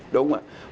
đúng không ạ